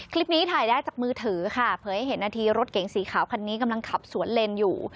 คลิปนี้ถ่ายได้จากมือถือค่ะเผยให้เห็นนาทีรถเก๋งสีขาวคันนี้กำลังขับสวนเลนอยู่